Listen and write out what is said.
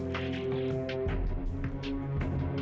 terima kasih mas